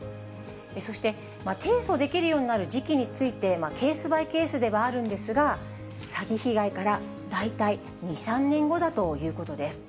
そして提訴できるようになる時期について、ケースバイケースではあるんですが、詐欺被害から大体２、３年後だということです。